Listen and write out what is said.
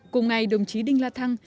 cùng ngày đồng chí đinh la thăng